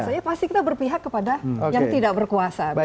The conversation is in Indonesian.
tapi kita berpihak kepada yang tidak berkuasa